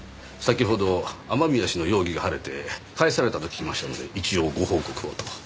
先ほど雨宮氏の容疑が晴れて帰されたと聞きましたので一応ご報告をと。